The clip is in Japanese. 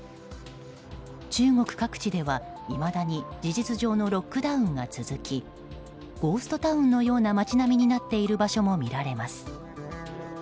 中国各地では、いまだに事実上のロックダウンが続きゴーストタウンのような街並みになっている場所も見られます。